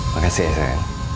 makasih ya san